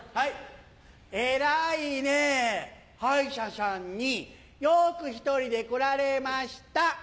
偉いねぇ歯医者さんによく１人で来られました！